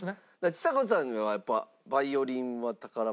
ちさ子さんはやっぱヴァイオリンは宝物？